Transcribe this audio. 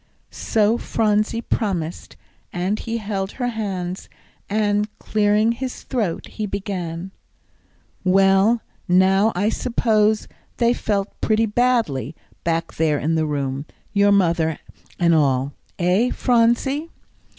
So Phronsie promised; and he held her hands, and, clearing his throat, he began, "Well, now I suppose they felt pretty badly, back there in the room, your mother and all eh, Phronsie?"